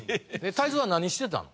泰造は何してたの？